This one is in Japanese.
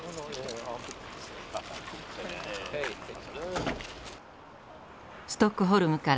ストックホルムから６０キロ。